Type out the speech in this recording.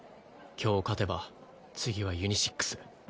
今日勝てば次はユニシックス。